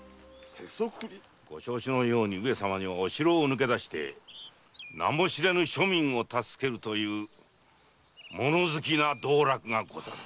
ご承知のように上様にはお城を抜けだして名も知れぬ庶民を助けるというもの好きな道楽がござる。